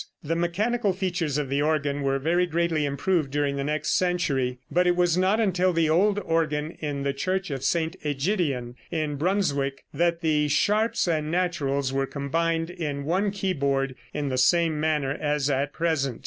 The mechanical features of the organ were very greatly improved during the next century, but it was not until the old organ in the Church of St. Ægidien in Brunswick that the sharps and naturals were combined in one keyboard in the same manner as at present.